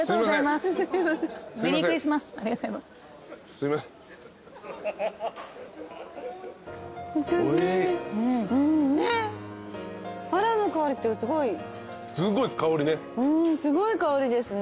すごい香りですね。